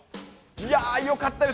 いやー、よかったです。